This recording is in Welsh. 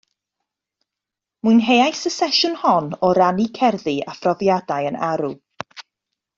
Mwynheais y sesiwn hon o rannu cerddi a phrofiadau yn arw